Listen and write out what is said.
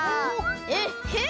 えっへん！